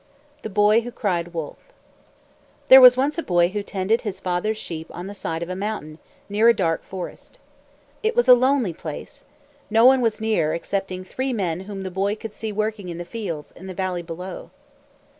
THE BOY WHO CRIED WOLF There was once a boy who tended his father's sheep on the side of a mountain, near a dark forest. It was a lonely place. No one was near, excepting three men whom the boy could see working in the fields, in the valley below.